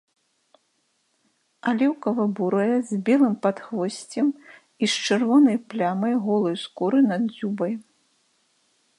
Аліўкава-бурая з белым падхвосцем і з чырвонай плямай голай скуры над дзюбай.